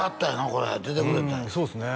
これ出てくれたんやそうっすね